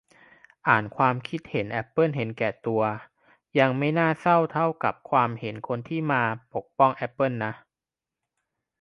อ่านความเห็นแอปเปิลเห็นแก่ตัว ยังไม่น่าเศร้าเท่ากับความเห็นคนที่มาปกป้องแอปเปิลนะ